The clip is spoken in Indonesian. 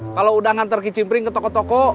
kalo udah nganter kicimpring ke toko toko